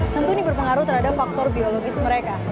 tentu ini berpengaruh terhadap faktor biologis mereka